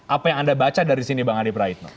apa yang anda baca dari sini bang arief raino